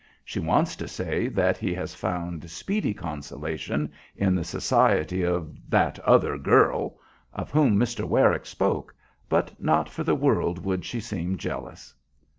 She wants to say that he has found speedy consolation in the society of "that other girl" of whom Mr. Werrick spoke, but not for the world would she seem jealous.